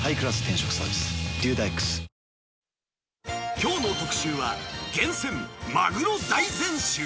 きょうの特集は、厳選、マグロ大全集！